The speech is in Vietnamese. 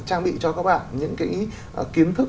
trang bị cho các bạn những cái kiến thức